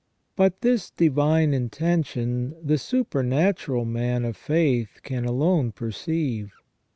But this divine intention the supernatural man of faith can alone perceive.